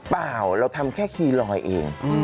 เปล่าเราทำแค่คีย์ลอยเอง